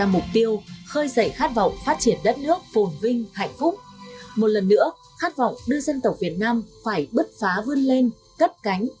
một lần nữa khát vọng đưa dân tộc việt nam phải bứt phá vươn lên cất cánh